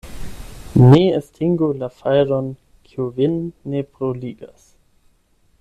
Ne estingu la fajron, kiu vin ne bruligas.